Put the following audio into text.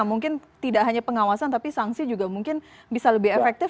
mungkin tidak hanya pengawasan tapi sanksi juga mungkin bisa lebih efektif